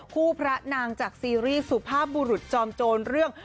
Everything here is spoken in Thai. พระนางจากซีรีส์สุภาพบุรุษจอมโจรเรื่อง